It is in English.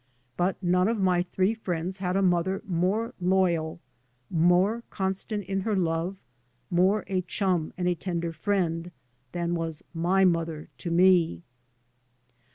But none of my three friends had a mother more loyal, more constant in her love, more a chum and a t.ender friend, than was my mother to me.